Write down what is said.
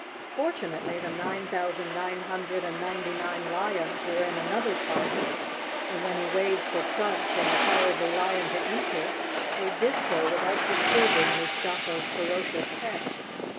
Fortunately the nine thousand nine hun¬ dred and ninety nine lions were in another part, and when he waved for Crunch and the Cowardly Lion to en¬ ter, they did so without disturbing Mustafa's ferocious pets.